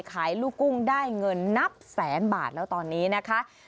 ขายลูกกุ้งได้เงินนับแสนบาทแล้วตอนนี้นะคะ